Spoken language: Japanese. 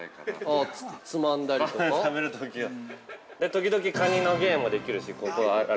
時々、カニの芸もできるし。